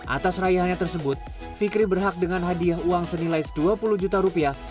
atas raihannya tersebut fikri berhak dengan hadiah uang senilai dua puluh juta rupiah